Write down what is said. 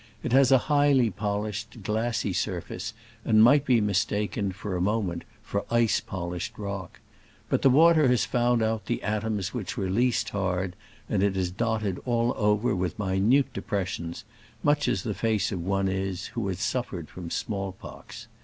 It has a highly polished, glassy surface, and might be mistaken, for a moment, for ice polished rock. But the water has found out the atoms which were least hard, and it is dotted all over with minute depressions, much as the face of one is who has suffered from smallpox.